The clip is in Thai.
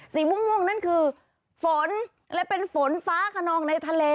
สีม่วงนั่นคือฝนและเป็นฝนฟ้าขนองในทะเล